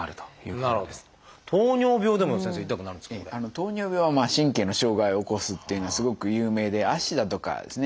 糖尿病は神経の障害を起こすっていうのはすごく有名で足だとかですね